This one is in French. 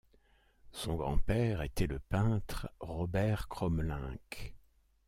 Son grand-père était le peintre Robert Crommelinck.